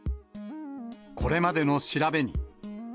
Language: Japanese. これまでの調べに。